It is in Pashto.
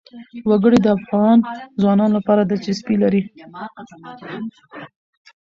وګړي د افغان ځوانانو لپاره دلچسپي لري.